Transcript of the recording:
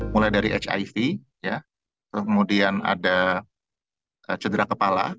mulai dari hiv kemudian ada cedera kepala